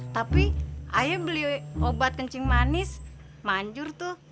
tapi ayo beli obat kencing manis manjur tuh